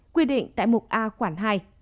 quy định tại mục a quản hai